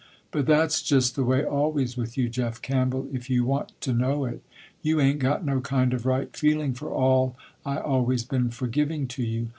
But that's just the way always with you Jeff Campbell, if you want to know it. You ain't got no kind of right feeling for all I always been forgiving to you."